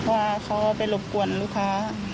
ว่าเขาไปรบกวนลูกค้า